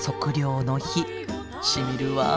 しみるわ。